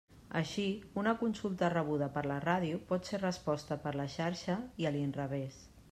Així, una consulta rebuda per la ràdio pot ser resposta per la Xarxa i a l'inrevés.